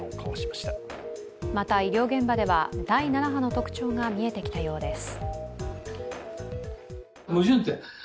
また医療現場では第７波の特徴が見えてきたようです。